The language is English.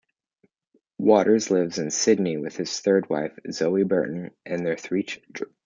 Waters lives in Sydney with his third wife, Zoe Burton, and their three children.